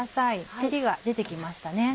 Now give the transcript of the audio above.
照りが出て来ましたね。